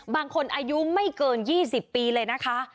บางคนอายุไม่เกิน๒๐ปีเลยนะคะ